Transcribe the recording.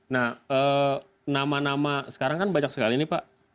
nah nama nama sekarang kan banyak sekali nih pak